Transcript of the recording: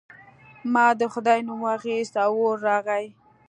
ما د خدای نوم واخیست او اور راغی.